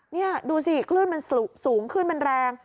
นี่ดูสิคลื่นมันสูงขึ้นมันแรง